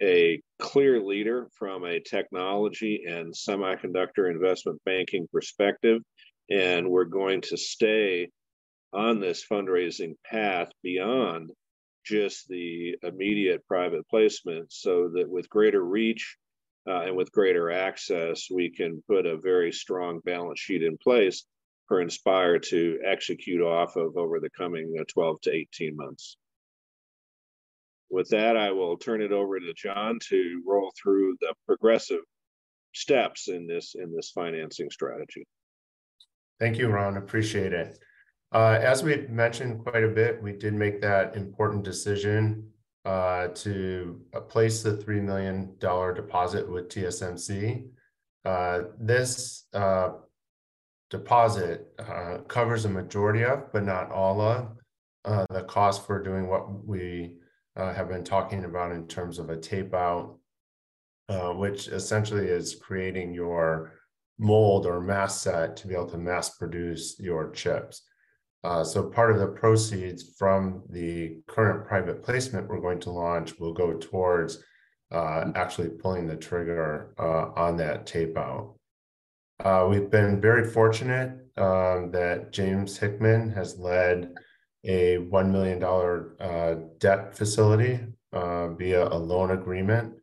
C: a clear leader from a technology and semiconductor investment banking perspective, and we're going to stay on this fundraising path beyond just the immediate private placement so that with greater reach, and with greater access, we can put a very strong balance sheet in place for Inspire to execute off of over the coming 12 to 18 months. With that, I will turn it over to John to roll through the progressive steps in this, in this financing strategy.
A: Thank you, Ron. Appreciate it. As we had mentioned quite a bit, we did make that important decision to place the $3 million deposit with TSMC. This deposit covers a majority of, but not all of, the cost for doing what we have been talking about in terms of a tape-out, which essentially is creating your mold or mask set to be able to mass produce your chips. Part of the proceeds from the current private placement we're going to launch will go towards actually pulling the trigger on that tape-out. We've been very fortunate that James Hickman has led a $1 million debt facility via a loan agreement.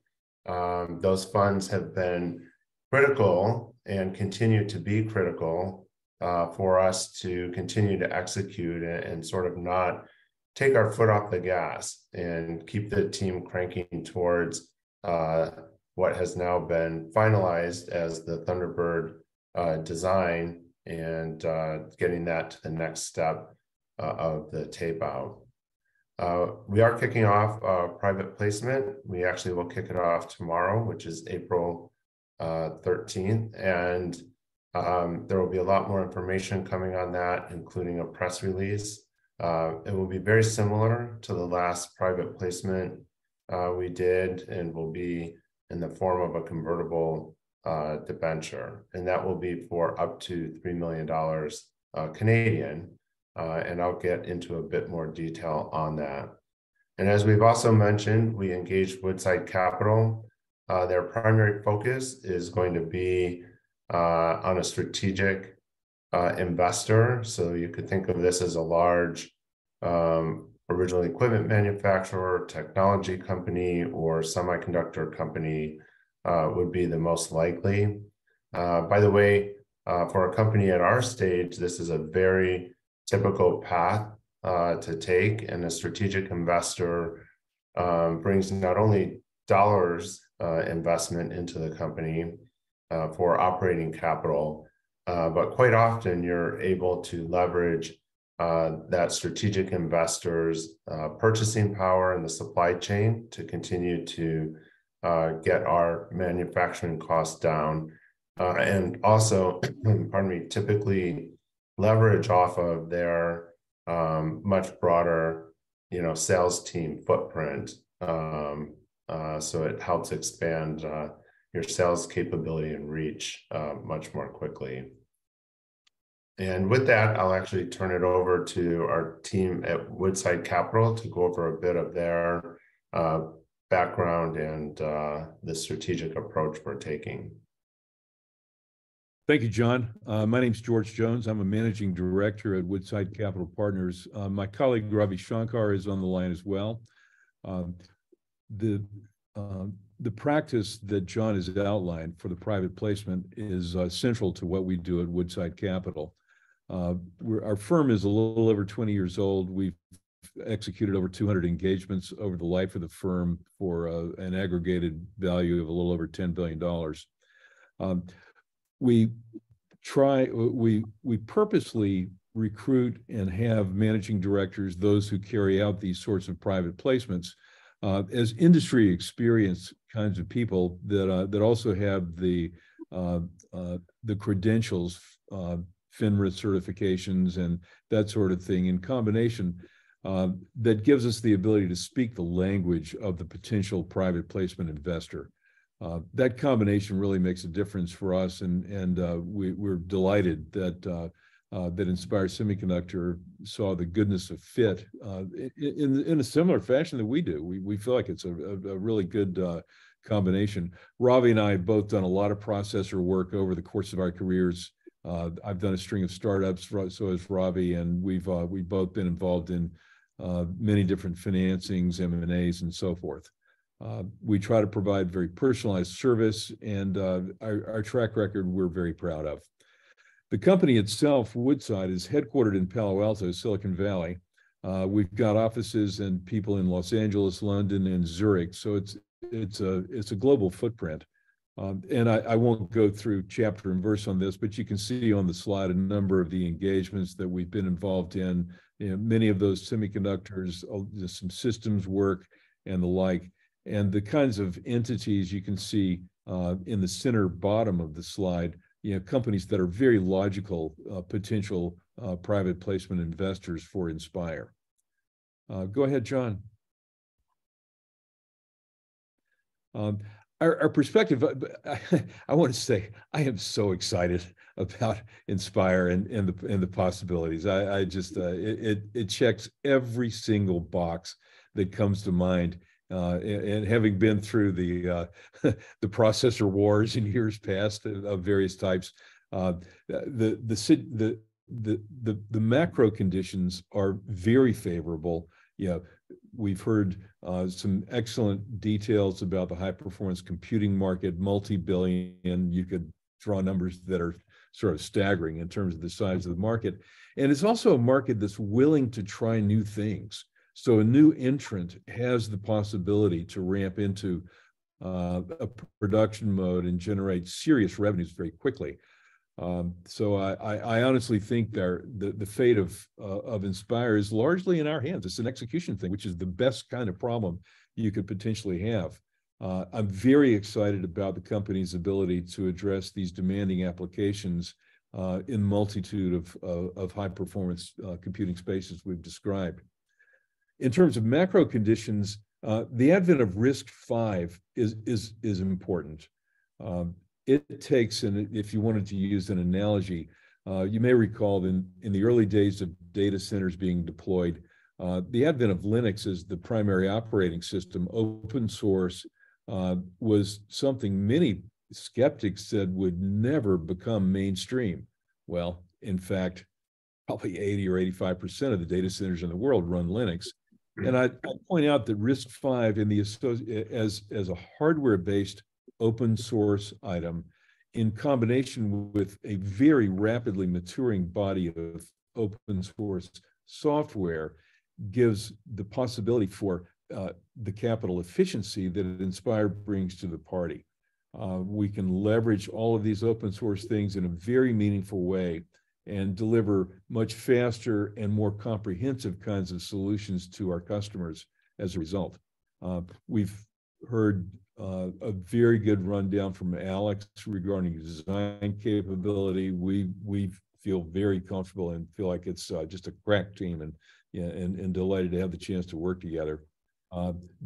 A: Those funds have been critical and continue to be critical for us to continue to execute and sort of not take our foot off the gas and keep the team cranking towards what has now been finalized as the Thunderbird design and getting that to the next step of the tape-out. We are kicking off a private placement. We actually will kick it off tomorrow, which is April 13th, and there will be a lot more information coming on that, including a press release. It will be very similar to the last private placement we did and will be in the form of a convertible debenture, and that will be for up to 3 million Canadian dollars, and I'll get into a bit more detail on that. As we've also mentioned, we engaged Woodside Capital. Their primary focus is going to be on a strategic investor, so you could think of this as a large original equipment manufacturer, technology company, or semiconductor company would be the most likely. By the way, for a company at our stage, this is a very typical path to take, and a strategic investor brings not only dollars investment into the company for operating capital, but quite often you're able to leverage that strategic investor's purchasing power in the supply chain to continue to get our manufacturing costs down, and also, pardon me, typically leverage off of their much broader, you know, sales team footprint. So it helps expand your sales capability and reach much more quickly. With that, I'll actually turn it over to our team at Woodside Capital to go over a bit of their background and the strategic approach we're taking.
H: Thank you, John. My name's George Jones. I'm a managing director at Woodside Capital Partners. My colleague, Ravi Shankar, is on the line as well. The practice that John has outlined for the private placement is central to what we do at Woodside Capital. Our firm is a little over 20 years old. We've executed over 200 engagements over the life of the firm for an aggregated value of a little over $10 billion. We purposely recruit and have managing directors, those who carry out these sorts of private placements, as industry experienced kinds of people that also have the credentials, FINRA certifications and that sort of thing, in combination, that gives us the ability to speak the language of the potential private placement investor. That combination really makes a difference for us and we're delighted that Inspire Semiconductor saw the goodness of fit in a similar fashion that we do. We feel like it's a really good combination. Ravi and I have both done a lot of processor work over the course of our careers. I've done a string of startups, so has Ravi, and we've both been involved in many different financings, M&As, and so forth. We try to provide very personalized service and our track record we're very proud of. The company itself, Woodside Capital Partners, is headquartered in Palo Alto, Silicon Valley. We've got offices and people in Los Angeles, London, and Zurich, so it's a global footprint. I won't go through chapter and verse on this, but you can see on the slide a number of the engagements that we've been involved in. You know, many of those semiconductors, just some systems work and the like. The kinds of entities you can see, in the center bottom of the slide, you know, companies that are very logical, potential, private placement investors for Inspire. Go ahead, John. Our, our perspective, I want to say I am so excited about Inspire and the, and the possibilities. I just, it, it checks every single box that comes to mind. Having been through the processor wars in years past of various types, the macro conditions are very favorable. You know, we've heard some excellent details about the high-performance computing market, multi-billion, you could draw numbers that are sort of staggering in terms of the size of the market. It's also a market that's willing to try new things. A new entrant has the possibility to ramp into a production mode and generate serious revenues very quickly. I, I honestly think there, the fate of Inspire is largely in our hands. It's an execution thing, which is the best kind of problem you could potentially have. I'm very excited about the company's ability to address these demanding applications in multitude of High-Performance Computing spaces we've described. In terms of macro conditions, the advent of RISC-V is, is important. It takes, and if you wanted to use an analogy, you may recall in the early days of data centers being deployed, the advent of Linux as the primary operating system, open source, was something many skeptics said would never become mainstream. Well, in fact, probably 80% or 85% of the data centers in the world run Linux. I'll point out that RISC-V as a hardware-based open source item, in combination with a very rapidly maturing body of open source software, gives the possibility for the capital efficiency that Inspire brings to the party. We can leverage all of these open source things in a very meaningful way and deliver much faster and more comprehensive kinds of solutions to our customers as a result. We've heard a very good rundown from Alex regarding design capability. We feel very comfortable and feel like it's just a crack team and, you know, and delighted to have the chance to work together.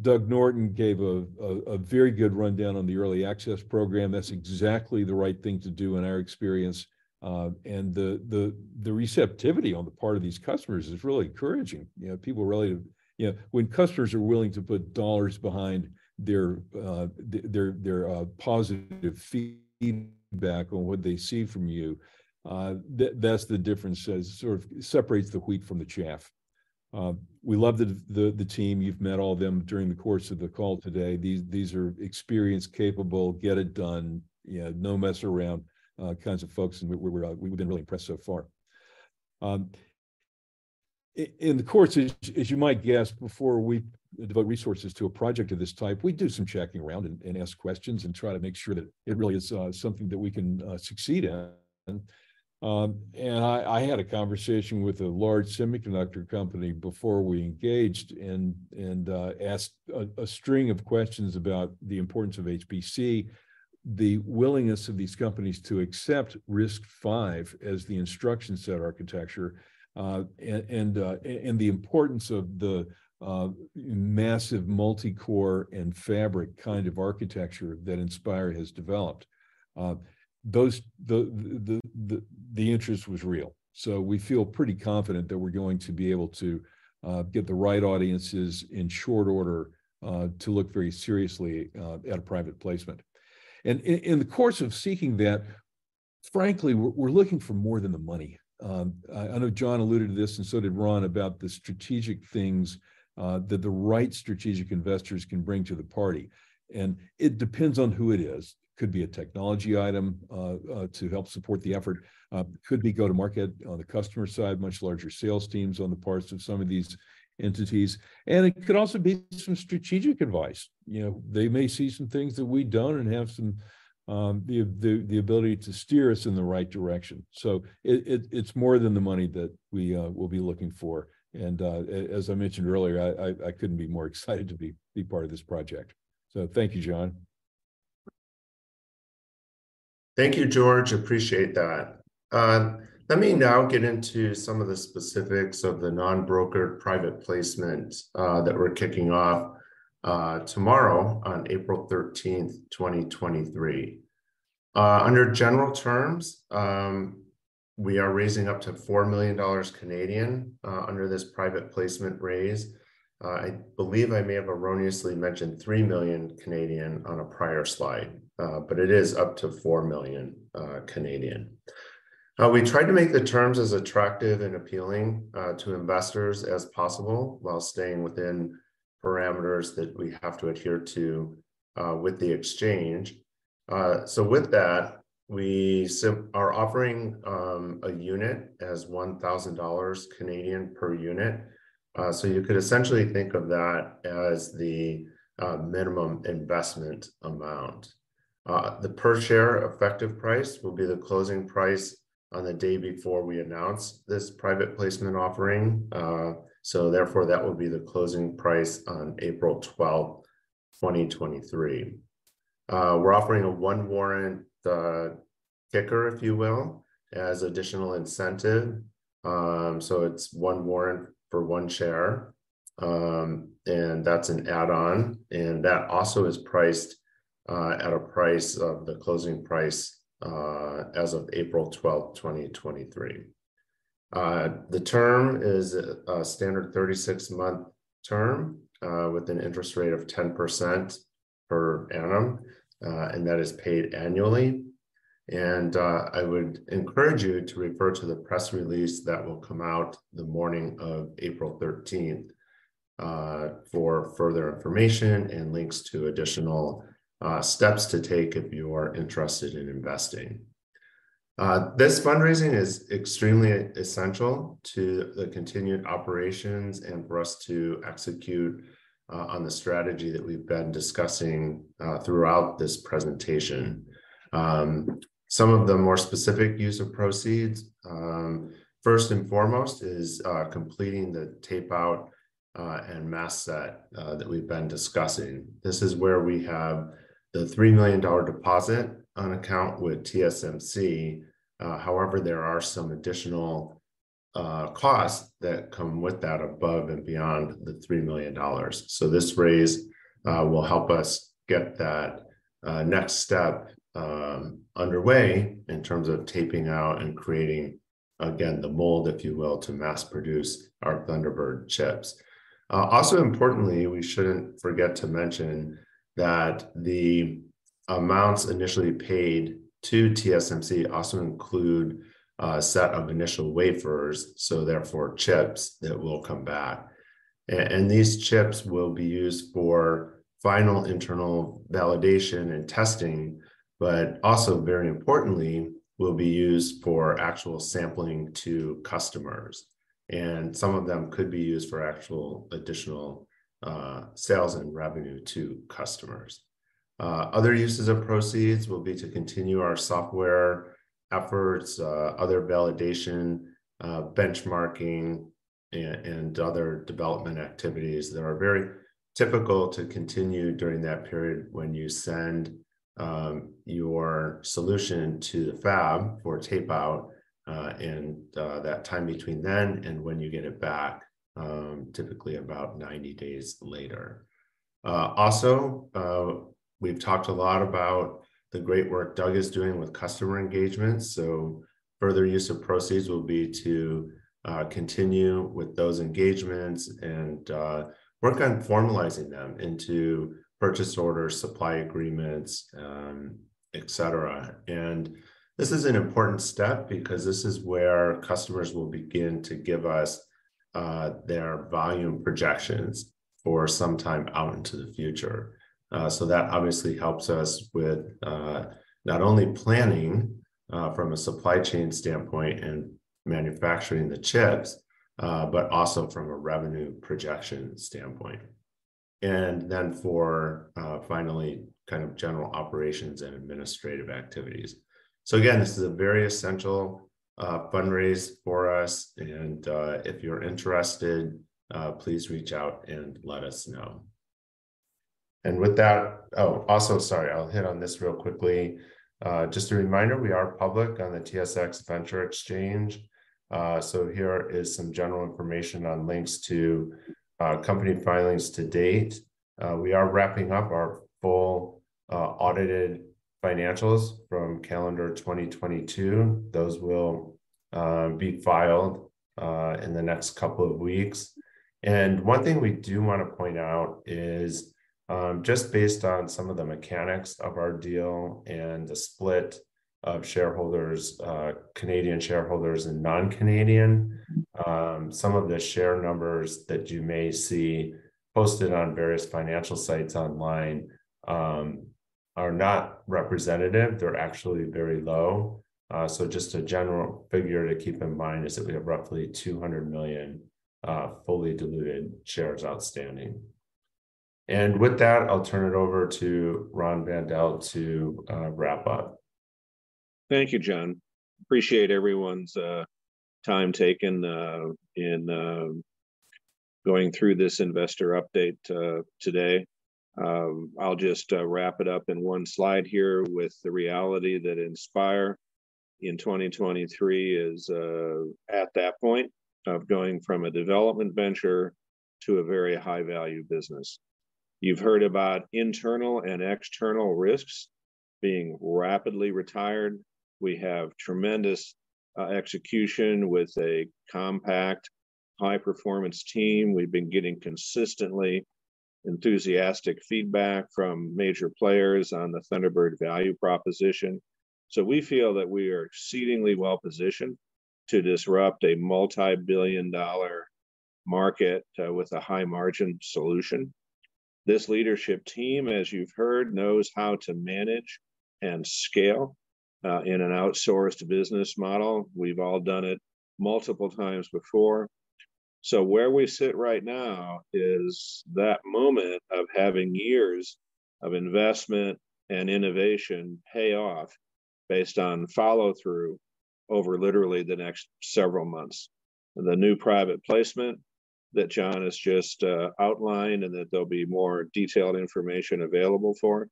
H: Doug Norton gave a very good rundown on the early access program. That's exactly the right thing to do in our experience. And the receptivity on the part of these customers is really encouraging. You know, people are really. You know, when customers are willing to put dollars behind their, their positive feedback on what they see from you, that's the difference as sort of separates the wheat from the chaff. We love the team. You've met all of them during the course of the call today. These are experienced, capable, get it done, you know, no mess around, kinds of folks, and we're really impressed so far. In the course, as you might guess, before we devote resources to a project of this type, we do some checking around and ask questions and try to make sure that it really is something that we can succeed in. And I had a conversation with a large semiconductor company before we engaged and asked a string of questions about the importance of HPC, the willingness of these companies to accept RISC-V as the instruction set architecture, and the importance of the massive multi-core and fabric kind of architecture that Inspire has developed. Those, the interest was real. We feel pretty confident that we're going to be able to get the right audiences in short order to look very seriously at a private placement. In the course of seeking that, frankly, we're looking for more than the money. I know John alluded to this, and so did Ron, about the strategic things that the right strategic investors can bring to the party. It depends on who it is. Could be a technology item to help support the effort. Could be go-to-market on the customer side, much larger sales teams on the parts of some of these entities. It could also be some strategic advice. You know, they may see some things that we don't and have some the ability to steer us in the right direction. It's more than the money that we will be looking for. As I mentioned earlier, I couldn't be more excited to be part of this project. Thank you, John.
A: Thank you, George. Appreciate that. Let me now get into some of the specifics of the non-brokered private placement that we're kicking off tomorrow on April 13, 2023. Under general terms, we are raising up to 4 million Canadian dollars under this private placement raise. I believe I may have erroneously mentioned 3 million on a prior slide, but it is up to 4 million. We tried to make the terms as attractive and appealing to investors as possible while staying within parameters that we have to adhere to with the exchange. With that, we are offering a unit as 1,000 Canadian dollars per unit. You could essentially think of that as the minimum investment amount. The per share effective price will be the closing price on the day before we announce this private placement offering. Therefore, that would be the closing price on April 12th, 2023. We're offering a one warrant, ticker, if you will, as additional incentive. It's one warrant for one share. That's an add-on, and that also is priced at a price of the closing price as of April 12th, 2023. The term is a standard 36-month term with an interest rate of 10% per annum, and that is paid annually. I would encourage you to refer to the press release that will come out the morning of April 13th for further information and links to additional steps to take if you are interested in investing. This fundraising is extremely essential to the continued operations and for us to execute on the strategy that we've been discussing throughout this presentation. Some of the more specific use of proceeds, first and foremost is completing the tape-out and mask set that we've been discussing. This is where we have the $3 million deposit on account with TSMC. However, there are some additional costs that come with that above and beyond the $3 million. This raise will help us get that next step underway in terms of taping out and creating, again, the mold, if you will, to mass produce our Thunderbird chips. Also importantly, we shouldn't forget to mention that the amounts initially paid to TSMC also include a set of initial wafers, so therefore chips that will come back. These chips will be used for final internal validation and testing, but also very importantly, will be used for actual sampling to customers, and some of them could be used for actual additional sales and revenue to customers. Other uses of proceeds will be to continue our software efforts, other validation, benchmarking, and other development activities that are very typical to continue during that period when you send your solution to the fab for tape-out, and that time between then and when you get it back, typically about 90 days later. Also, we've talked a lot about the great work Doug is doing with customer engagement. Further use of proceeds will be to continue with those engagements and work on formalizing them into purchase orders, supply agreements, et cetera. This is an important step because this is where customers will begin to give us their volume projections for some time out into the future. So that obviously helps us with not only planning from a supply chain standpoint and manufacturing the chips, but also from a revenue projection standpoint. Then for finally kind of general operations and administrative activities. Again, this is a very essential fundraise for us. If you're interested, please reach out and let us know. With that. Oh, also, sorry, I'll hit on this real quickly. Just a reminder, we are public on the TSX Venture Exchange. So here is some general information on links to company filings to date. We are wrapping up our full audited financials from calendar 2022. Those will be filed in the next couple of weeks. One thing we do wanna point out is just based on some of the mechanics of our deal and the split of shareholders, Canadian shareholders and non-Canadian, some of the share numbers that you may see posted on various financial sites online are not representative. They're actually very low. Just a general figure to keep in mind is that we have roughly 200 million fully diluted shares outstanding. With that, I'll turn it over to Ron Van Dell to wrap up.
C: Thank you, John. Appreciate everyone's time taken in going through this investor update today. I'll just wrap it up in one slide here with the reality that Inspire in 2023 is at that point of going from a development venture to a very high-value business. You've heard about internal and external risks being rapidly retired. We have tremendous execution with a compact high-performance team. We've been getting consistently enthusiastic feedback from major players on the Thunderbird value proposition. We feel that we are exceedingly well positioned to disrupt a multi-billion dollar market with a high-margin solution. This leadership team, as you've heard, knows how to manage and scale in an outsourced business model. We've all done it multiple times before. Where we sit right now is that moment of having years of investment and innovation pay off based on follow-through over literally the next several months. The new private placement that John has just outlined and that there'll be more detailed information available for,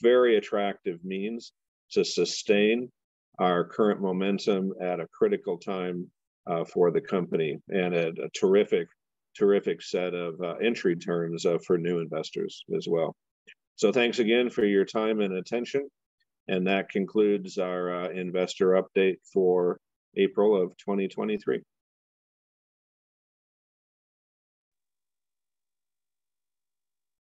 C: very attractive means to sustain our current momentum at a critical time for the company and a terrific set of entry terms for new investors as well. Thanks again for your time and attention, and that concludes our investor update for April of 2023.